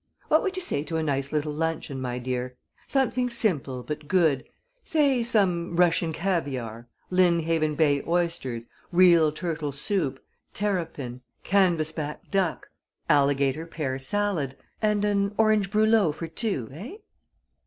What would you say to a nice little luncheon, my dear? Something simple, but good say some Russian caviare, Lynnhaven Bay oysters, real turtle soup, terrapin, canvas back duck, alligator pear salad, and an orange brûlot for two, eh?"